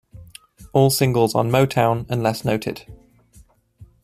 All singles on Motown, unless noted.